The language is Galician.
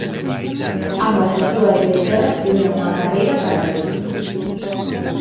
Ambas as dúas directoras tiveron unha carreira paralela